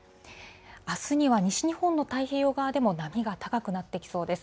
あすには西日本の太平洋側でも波が高くなってきそうです。